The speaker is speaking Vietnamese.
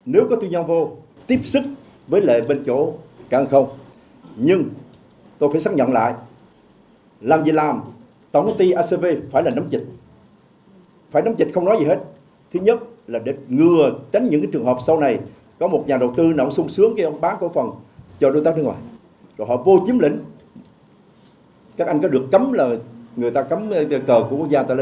nếu mà người ta cấm cờ của quốc gia ta lên đâu